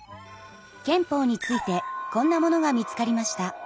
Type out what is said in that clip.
憲法についてこんなものが見つかりました。